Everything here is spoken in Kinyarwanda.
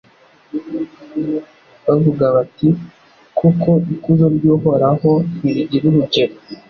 bavuga bati Koko ikuzo ry’Uhoraho ntirigira urugero